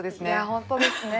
本当ですね。